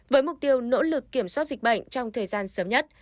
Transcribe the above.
với mục tiêu nỗ lực kiểm soát dịch bệnh trong thời gian sớm nhất